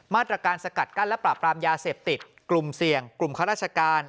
มาตรการสกัดกั้นและปราบปรามยาเสพติดกลุ่มเสี่ยงกลุ่มข้าราชการ